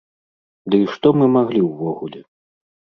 Ды і што мы маглі ўвогуле?